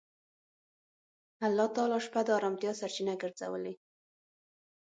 الله تعالی شپه د آرامتیا سرچینه ګرځولې.